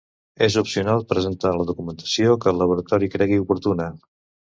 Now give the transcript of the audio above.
És opcional presentar la documentació que el laboratori cregui oportuna.